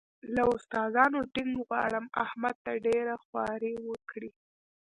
له استادانو ټینګ غواړم احمد ته ډېره خواري وکړي.